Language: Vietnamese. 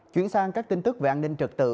chuyển sang các tin tức về an ninh trật tự